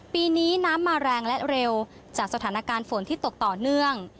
ปีนี้น้ำมาแรงและเร็วจากสถานการณ์ฝนที่ตกต่อเนื่อง